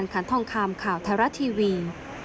อคันท่องคามข่าวธรทีวี